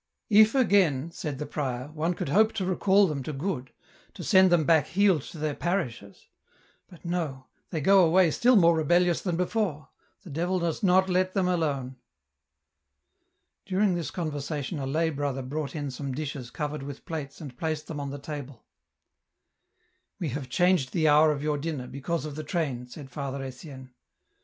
If, again," said the prior, " one could hope to recall them to good, to send them back healed to their parishes ; but no, they go away still more rebellious than before, the Devil does not let them alone." During this conversation a lay brother brought in some dishes covered with plates and placed thfc,"n on the table. " We have changed the hour of your di.'xner, because of the train," said Father Etienne.